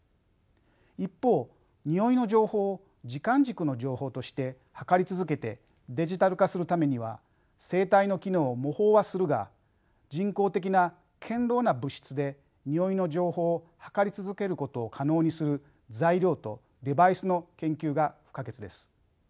一方においの情報を時間軸の情報として測り続けてデジタル化するためには生体の機能を模倣はするが人工的な堅ろうな物質でにおいの情報を測り続けることを可能にする材料とデバイスの研究が不可欠です。